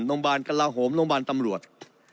โรงพยาบาลกระลาโหมโรงพยาบาลตำรวจ